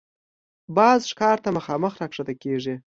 باز ښکار ته مخامخ راښکته کېږي